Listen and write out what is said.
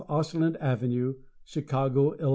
Oshland Ave., Chicago, Ill.